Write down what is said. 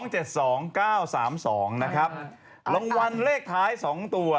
หนุ่มลังวันเลขท้ายซองตัว